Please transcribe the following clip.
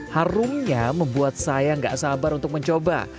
harumnya membuat saya gak sabar untuk mencoba